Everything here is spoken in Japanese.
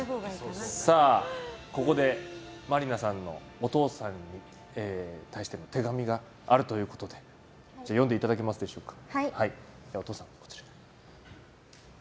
ここで真里奈さんお父さんに対しての手紙があるということで読んでいただけますでしょうか。